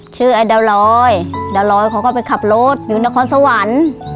ชื่อไอ้ดาวลอยดาวลอยเขาก็ไปขับรถอยู่นครสวรรค์